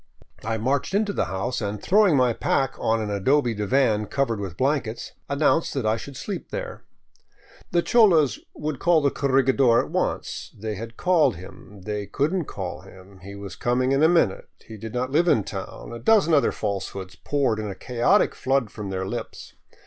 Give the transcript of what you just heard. I marched into the house and, throwing my pack on an adobe divan covered with blankets, announced that I should sleep there. The cholas would call the corregidor at once, they had called him, they could n't call him, he was coming in a minute, he did not live in town, and a dozen other falsehoods poured in a chaotic flood from their lips.